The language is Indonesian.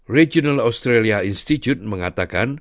regional australia institute mengatakan